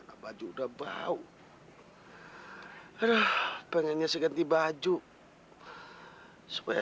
sampai jumpa di video selanjutnya